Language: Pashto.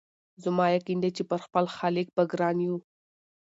زما یقین دی چي پر خپل خالق به ګران یو